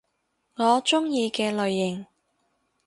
我鍾意嘅類型